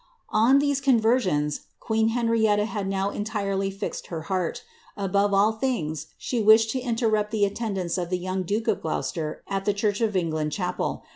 On these conversions queen Henrietta had now entirely fixed her heart. Above all things, she wished to interrupt the attendance of die young duke of Gloucester at the cliurch of England chapel.